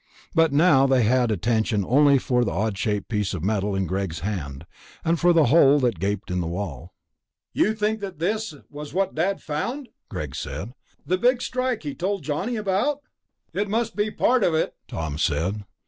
But now they had attention only for the odd shaped piece of metal in Greg's hand, and for the hole that gaped in the wall. "You think that this was what Dad found?" Greg said. "The Big Strike he told Johnny about?" "It must be part of it," Tom said.